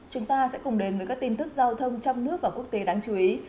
chúng ta sẽ cùng đến với các tin tức giao thông trong nước và quốc tế đáng chú ý